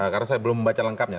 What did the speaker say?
karena saya belum membaca lengkapnya